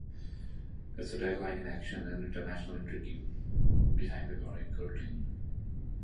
Its tagline is Action and international intrigue behind the iron curtain.